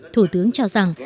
thủ tướng cho rằng